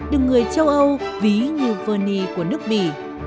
được người châu âu ví như vơ nì của nước bỉ